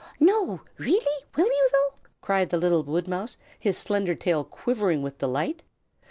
"No, not really! will you, though?" cried the little woodmouse, his slender tail quivering with delight.